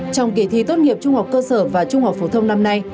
trong kỳ thi tốt nghiệp trung học cơ sở và trung học phổ thông năm nay